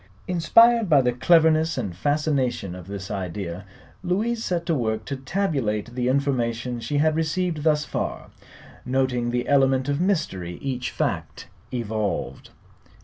Inspired by the cleverness and fascination of this idea, Louise set to work to tabulate the information she had received thus far, noting the; element of mystery each fact evolved.